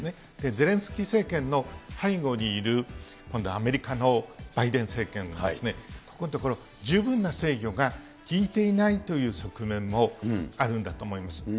ゼレンスキー政権の背後にいる今度アメリカのバイデン政権がですね、ここのところ、十分な制御が利いていないという側面もあるんだと思います。